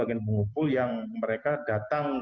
agen pengumpul yang mereka datang